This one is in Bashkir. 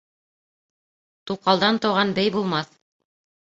Туҡалдан тыуған бей булмаҫ.